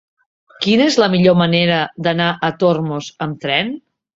Quina és la millor manera d'anar a Tormos amb tren?